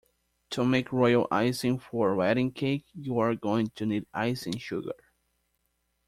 To make royal icing for a wedding cake you’re going to need icing sugar